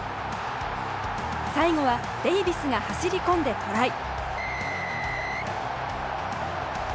最後はデイビスが走り込んでトライ。